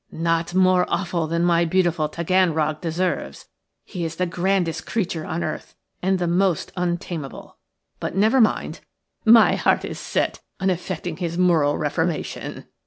"Not more awful than my beautiful Taganrog deserves. He is the grandest creature on earth and the most untamable. But never mind; my heart is set on effecting his moral reformation."